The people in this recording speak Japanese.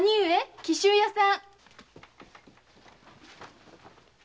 紀州屋さん。